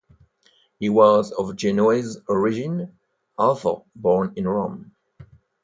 He was of Genoese origin, although born in Rome.